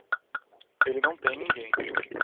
Ele não tem ninguém